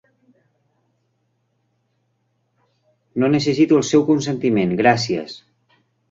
No necessito el seu consentiment, gràcies.